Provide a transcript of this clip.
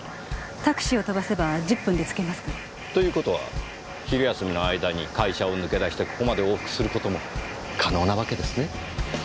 タクシーを飛ばせば１０分で着けますから。という事は昼休みの間に会社を抜け出してここまで往復する事も可能なわけですね？